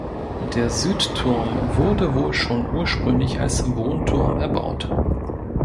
Der Südturm wurde wohl schon ursprünglich als Wohnturm erbaut.